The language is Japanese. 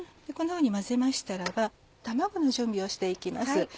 こんなふうに混ぜましたらば卵の準備をして行きます。